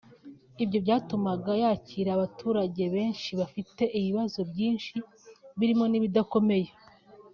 Ibyo byatumaga yakira abaturage benshi bafite ibibazo byinshi birimo n’ibidakomeye